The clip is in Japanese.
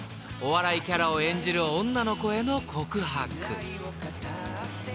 お笑いキャラを演じる女の子への告白］